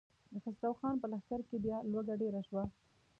د خسرو خان په لښکر کې بيا لوږه ډېره شوه.